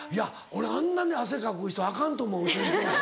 俺あんなに汗かく人アカンと思う宇宙飛行士。